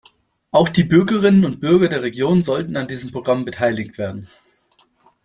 Auch die Bürgerinnen und Bürger der Region sollten an diesen Programmen beteiligt werden.